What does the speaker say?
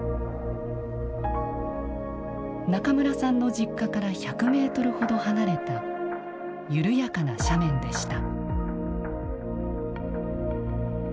中村さんの実家から１００ｍほど離れた緩やかな斜面でした。